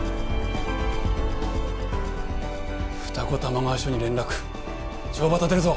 二子玉川署に連絡帳場立てるぞ！